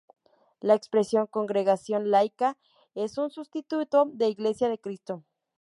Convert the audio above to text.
La expresión "congregación laica" es un sustituto de "iglesia de Cristo".